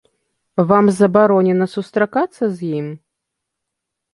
Вам забаронена сустракацца з ім?